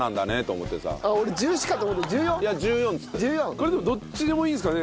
これどっちでもいいんですかね？